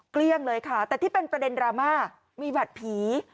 เกลี้ยงเลยค่ะแต่ที่เป็นประเด็นดราม่ามีบัตรผี